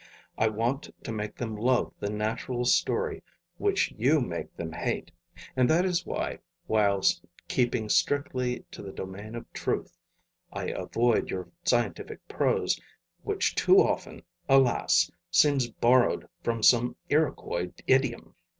I want to make them love the natural story which you make them hate; and that is why, while keeping strictly to the domain of truth, I avoid your scientific prose, which too often, alas, seems borrowed from some Iroquois idiom!'